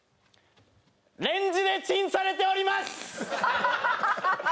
レンジでチンされております！